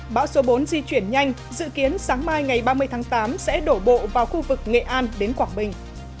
bão số bốn di chuyển nhanh dự kiến sáng mai ngày ba mươi tháng tám sẽ đổ bộ vào khu vực nghệ an đến quảng bình